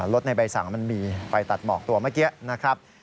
รถในใบสั่งมันมีใบตัดหมอกตัวเมื่อกี้นะครับ